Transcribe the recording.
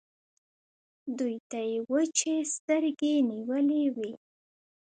دوی ته يې وچې سترګې نيولې وې.